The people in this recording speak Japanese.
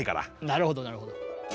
なるほどなるほど。